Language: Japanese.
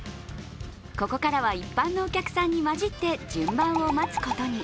ここからは一般のお客さんに交じって順番を待つことに。